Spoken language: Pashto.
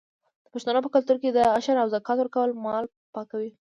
د پښتنو په کلتور کې د عشر او زکات ورکول مال پاکوي.